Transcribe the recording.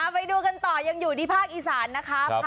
ไปดูกันต่อยังอยู่ที่ภาคอีสานนะครับ